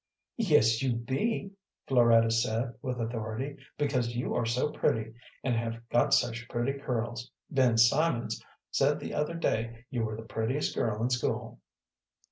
"Yes, you be," Floretta said, with authority, "because you are so pretty, and have got such pretty curls. Ben Simonds said the other day you were the prettiest girl in school."